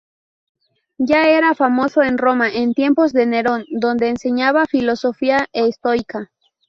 Ya era famoso en Roma en tiempos de Nerón, donde enseñaba filosofía estoica.